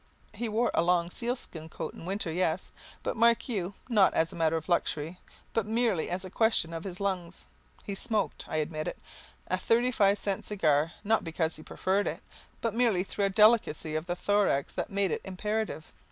He wore a long sealskin coat in winter, yes; but mark you, not as a matter of luxury, but merely as a question of his lungs. He smoked, I admit it, a thirty five cent cigar, not because he preferred it, but merely through a delicacy of the thorax that made it imperative.